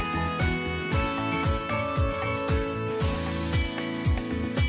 นี่สำหรับส่วนใหญ่น่ะ